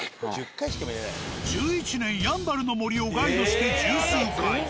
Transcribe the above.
１１年やんばるの森をガイドして十数回。